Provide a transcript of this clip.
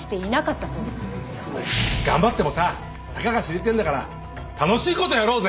頑張ってもさたかが知れてるんだから楽しい事やろうぜ！